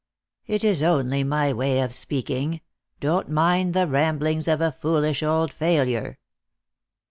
"It is only my way of speaking. Don't mind the ramblings of a foolish old failure."